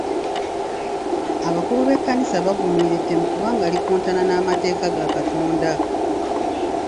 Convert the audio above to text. Abakulu b'ekkanisa bavumirira ettemu kubanga likontana n'amateeka ga Katonda.